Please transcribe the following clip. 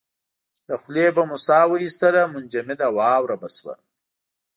له خولې به مو ساه واېستله منجمده واوره به شوه.